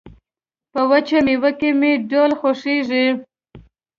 په وچه مېوه کې مې ډول خوښيږي